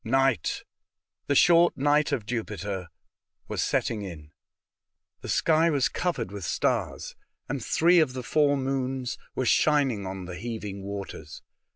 I^ight — the short night of Jupiter — was setting in. The sky was covered with stars, and three of the four moons were shining on the heaving waters.